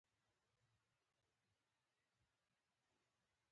واده یې هېڅکله ترسره نه شو.